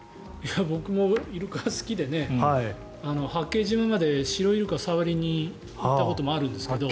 僕もイルカ、好きで八景島までシロイルカを触りにいったこともあるんですけど。